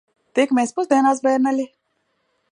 Tiekamies pusdienās, bērneļi.